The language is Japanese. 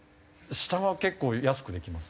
下は結構安くできます。